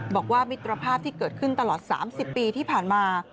มิตรภาพที่เกิดขึ้นตลอด๓๐ปีที่ผ่านมา